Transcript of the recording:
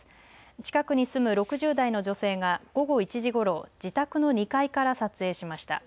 近くに住む６０代の女性が午後１時ごろ自宅の２階から撮影しました。